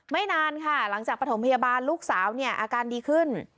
นานค่ะหลังจากประถมพยาบาลลูกสาวเนี่ยอาการดีขึ้น